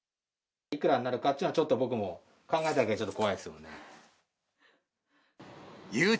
いくらになるかっていうのは、ちょっと僕も、考えただけで怖いですよ。